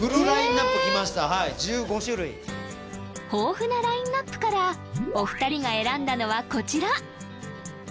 はい１５種類豊富なラインナップからお二人が選んだのはこちら！